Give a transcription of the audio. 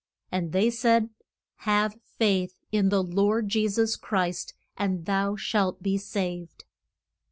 And they said, Have faith in the Lord Je sus Christ, and thou shalt be saved.